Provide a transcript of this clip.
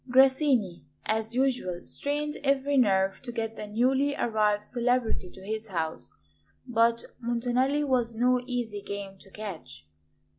Grassini, as usual, strained every nerve to get the newly arrived celebrity to his house; but Montanelli was no easy game to catch.